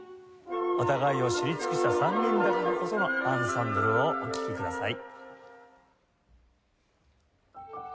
お互いを知り尽くした３人だからこそのアンサンブルをお聴きください。